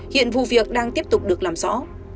hiện vụ việc đang tiếp tục được làm rõ